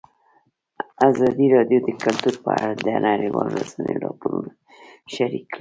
ازادي راډیو د کلتور په اړه د نړیوالو رسنیو راپورونه شریک کړي.